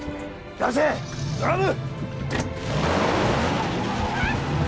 出せドラム！